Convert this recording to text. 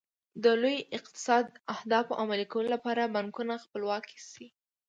د لوی اقتصاد د اهدافو عملي کولو لپاره بانکونه خپلواک شي.